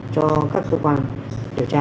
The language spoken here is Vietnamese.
còn các cơ quan điều tra